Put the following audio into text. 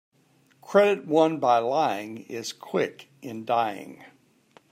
Credit won by lying is quick in dying.